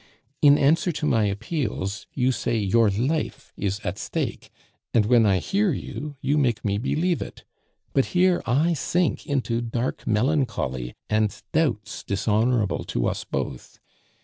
In answer to my appeals, you say your life is at stake, and when I hear you, you make me believe it; but here I sink into dark melancholy and doubts dishonorable to us both.